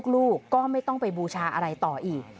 ลูกก็ไม่ต้องไปบูชาอะไรต่ออีก